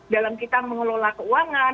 dalam kita mengelola keuangan